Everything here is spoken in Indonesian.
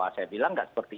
saya bilang tidak seperti